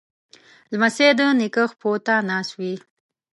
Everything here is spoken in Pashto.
لمسی د نیکه پښو ته ناست وي.